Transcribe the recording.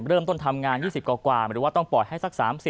เริ่มต้นทำงาน๒๐กว่าหรือว่าต้องปล่อยให้สัก๓๐